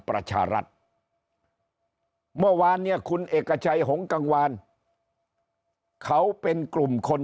ประชารัฐเมื่อวานเนี่ยคุณเอกชัยหงกังวานเขาเป็นกลุ่มคน